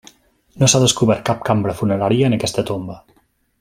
No s'ha descobert cap cambra funerària en aquesta tomba.